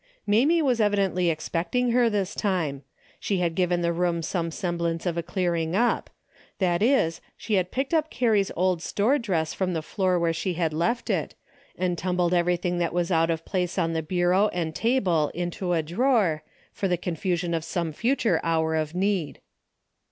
Mamie was evidently expecting her this time. She had given the room some semblance of a clearing up : that is, she had picked up Carrie's old store dress from the floor where 230 A DAILY RATE. she left it, and tumbled everything that was out of place on the bureau and table into a drawer, for the confusion of some future hour of need.